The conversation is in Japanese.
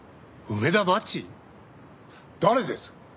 誰です？